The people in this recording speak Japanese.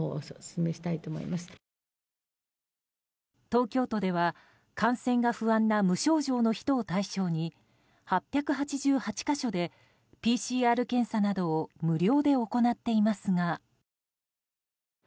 東京都では感染が不安な無症状の人を対象に８８８か所でＰＣＲ検査などを無料で行っていますが。